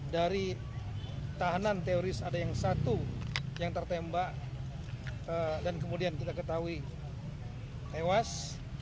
dari tahanan teoris ada yang satu yang tertembak dan kemudian kita ketahui tewas